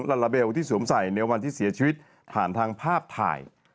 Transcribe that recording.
ลาลาเบลที่สวมใส่ในวันที่เสียชีวิตผ่านทางภาพถ่าย